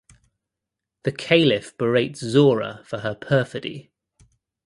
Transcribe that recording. The Caliph berates Zora for her perfidy.